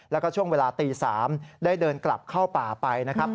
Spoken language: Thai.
แล้วก็ช่วงเวลาตี๓ได้เดินกลับเข้าป่าไปนะครับ